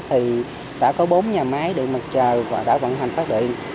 thì đã có bốn nhà máy điện mặt trời và đã vận hành phát điện